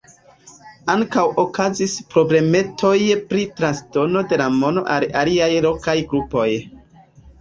Ankaŭ okazis problemetoj pri transdono de la mono al aliaj lokaj grupoj.